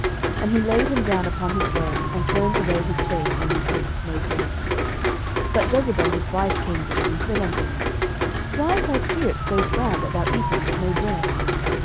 And he laid him down upon his bed, and turned away his face, and would eat no bread. 11:021:005 But Jezebel his wife came to him, and said unto him, Why is thy spirit so sad, that thou eatest no bread?